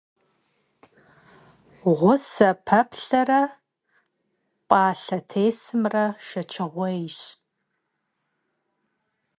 Ğuse peplhere p'alhetêsımre şşeçığuêyş.